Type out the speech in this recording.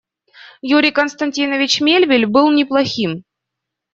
Юрий Константинович Мельвиль был неплохим.